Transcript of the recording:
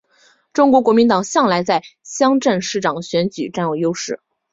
中国国民党向来在乡镇市长选举占有优势。